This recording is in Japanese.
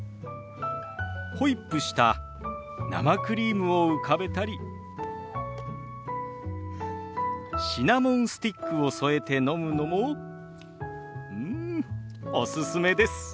ホイップした生クリームを浮かべたりシナモンスティックを添えて飲むのもうんおすすめです。